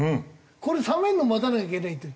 これ冷めるの待たなきゃいけないっていう。